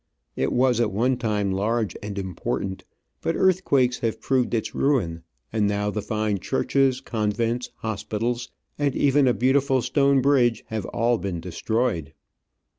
It was at one time large and important, but earthquakes have proved its ruin, and now the fine churches, convents, hospitals, and even a beautiful stone bridge, have all been destroyed.